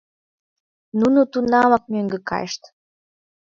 Нуно тунамак мӧҥгӧ кайышт.